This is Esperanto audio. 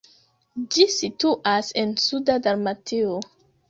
Ĝi situas en suda Dalmatio.